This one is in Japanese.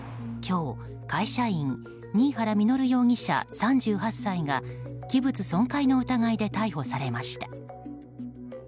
今日、会社員新原稔容疑者、３８歳が器物損壊の疑いで逮捕されました。